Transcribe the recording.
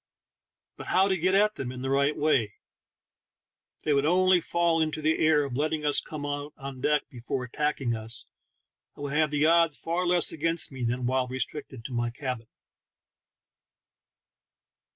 But how to get at them in the right way? If they would only fall into the error of let ting us come out on deck before attacking us, I would have the odds far less against me than while restricted to my cabin.